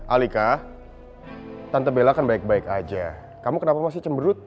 alika tante bela kan baik baik aja kamu kenapa masih cemberut